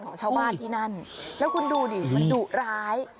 ของชาวบ้านที่นั่นแล้วคุณดูดิมันดุร้าย